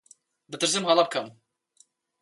دەترسم هەڵە بکەم.